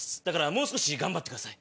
もう少し頑張ってください。